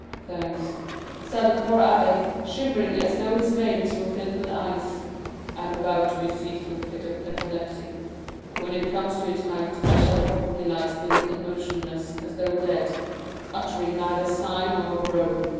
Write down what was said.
"Thanks," said the poor abbé, shivering as though his veins were filled with ice. "I am about to be seized with a fit of catalepsy; when it comes to its height I shall probably lie still and motionless as though dead, uttering neither sigh nor groan.